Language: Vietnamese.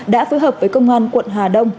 đã phối hợp với công an quận hà đông